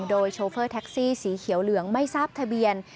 โดยโชเฟอร์แท็กซี่สีเขียวเหลืองไม่ทราบทะเบียน